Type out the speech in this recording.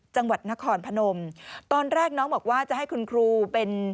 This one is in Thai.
จังหวัดนครพนมตอนแรกน้องบอกว่าจะให้คุณครูเป็น